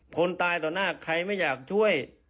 คนตายต่อหน้าใครไม่อยากช่วย